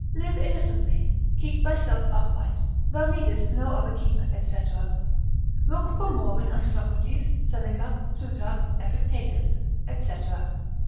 Live innocently, keep thyself upright, thou needest no other keeper, &c. Look for more in Isocrates, Seneca, Plutarch, Epictetus, &c.